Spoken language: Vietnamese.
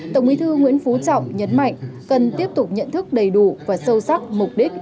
tổng bí thư nguyễn phú trọng nhấn mạnh cần tiếp tục nhận thức đầy đủ và sâu sắc mục đích